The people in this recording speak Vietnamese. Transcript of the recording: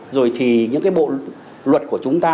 rồi thì những cái bộ luật của chúng ta